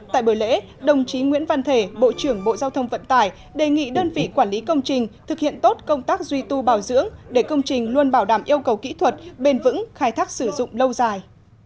tại bữa lễ đồng chí nguyễn văn thể bộ trưởng bộ giao thông vận tải đề nghị đơn vị quản lý công trình thực hiện tốt công tác duy tu bảo dưỡng để công trình luôn bảo đảm yêu cầu kỹ thuật bền vững khai thác sử dụng lâu dài